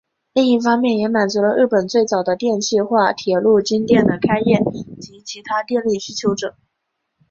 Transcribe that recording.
另一方面也满足了日本最早的电气化铁路京电的开业及其他电力需求者。